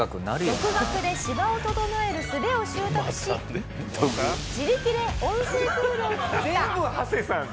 独学で芝を整えるすべを習得し自力で温水プールを作った。